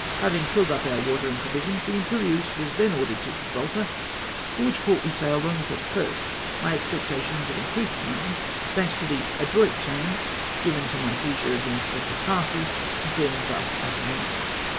Ha\dng filled up our water and provisions, the Imperieiise was then ordered to Gibraltar, for which port we sailed on the 31st, my expectations of increased command, thanks to the adroit turn given to my seizure of the intercepted passes, being thus at an end.